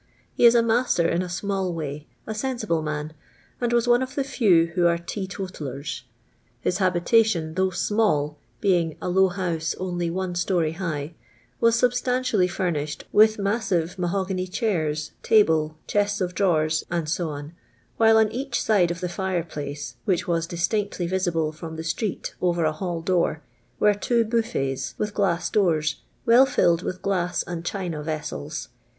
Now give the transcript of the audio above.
He is a master in a small way, a sensible man, and was one of the few who are teetotallers. His habitation, though small — ^being a low house only one story high — was substantially furnished with massive mahogany chairs, table, chests of drawers, &c., while on each side of the fire place, which was distinctly visible from the street over a hall door, were two buffets, with ghiss doors, well filled with glass and china vessels.